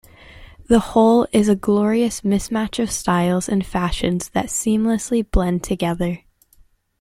The whole is a glorious mismatch of styles and fashions that seamlessly blend together.